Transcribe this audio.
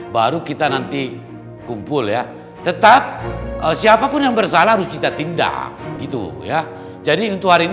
baru kita nanti kumpul ya tetap siapapun yang bersalah harus kita tindak itu ya jadi untuk hari ini